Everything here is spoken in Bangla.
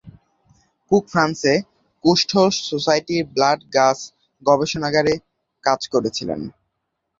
কুক ফ্রান্সে কুষ্ঠ সোসাইটির ব্লাড-গাস গবেষণাগারে কাজ করেছিলেন।